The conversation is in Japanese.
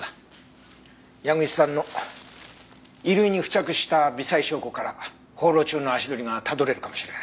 矢口さんの衣類に付着した微細証拠から放浪中の足取りがたどれるかもしれない。